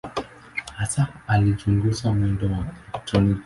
Hasa alichunguza mwendo wa elektroni.